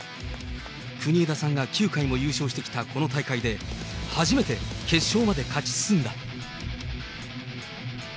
国枝さんが９回も優勝してきたこの大会で、初めて決勝まで勝ち進んだ。